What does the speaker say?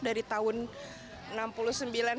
dari tahun seribu sembilan ratus enam puluh sembilan